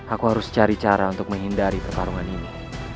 aku harus cari cara untuk menghindari pertarungan ini